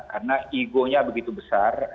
karena igonya begitu besar